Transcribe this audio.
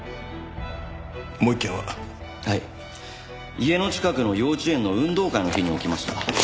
家の近くの幼稚園の運動会の日に起きました。